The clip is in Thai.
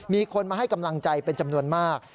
มีคนมาให้กำลังใจเป็นจำนวนมาก